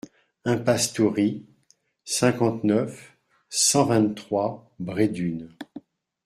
Impasse Toury, cinquante-neuf, cent vingt-trois Bray-Dunes